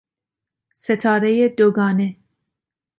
ستارهی دوگانه